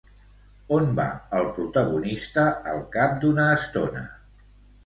On va el protagonista al cap d'una estona?